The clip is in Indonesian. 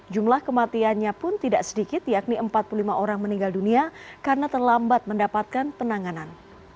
jumlah kematiannya pun tidak sedikit yakni empat puluh lima orang meninggal dunia karena terlambat mendapatkan penanganan